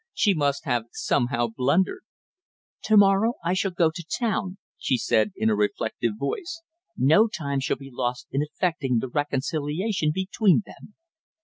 She must have somehow blundered." "To morrow I shall go to town," she said in a reflective voice. "No time should be lost in effecting the reconciliation between them."